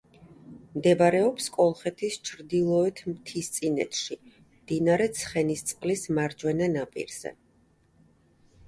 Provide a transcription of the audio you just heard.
მდებარეობს კოლხეთის ჩრდილოეთ მთისწინეთში მდინარე ცხენისწყლის მარჯვენა ნაპირზე.